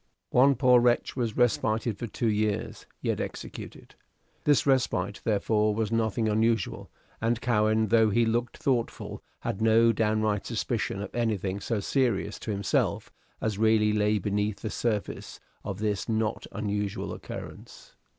One poor wretch was respited for two years, yet executed. This respite, therefore, was nothing unusual, and Cowen, though he looked thoughtful, had no downright suspicion of anything so serious to himself as really lay beneath the surface of this not unusual occurrence.